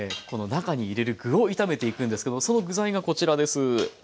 この中に入れる具を炒めていくんですけどもその具材がこちらです。